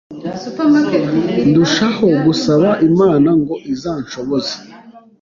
ndushaho gusaba Imana ngo izanshoboze,